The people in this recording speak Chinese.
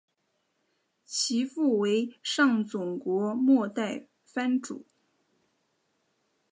其父为上总国末代藩主。